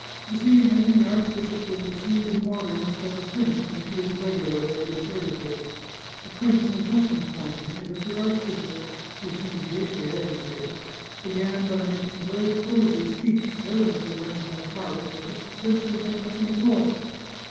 " This evening the archbishop was received in audience by the prince, as he is regfularly every Thursday. The prince has just informed me that the archbishop, who seemed greatly agitated, began by making a very prosy speech, evidently learned by heart, of which the prince could make nothing at all.